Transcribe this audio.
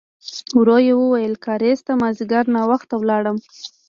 ورو يې وویل: کارېز ته مازديګر ناوخته لاړم.